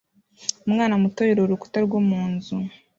Umwana muto yurira urukuta rwo mu nzu